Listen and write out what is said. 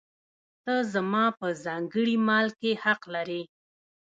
ته زما په ځانګړي مال کې حق لرې.